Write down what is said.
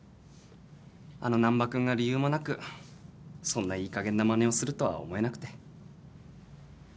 あの難破君が理由もなくそんないいかげんなまねをするとは思えなくて。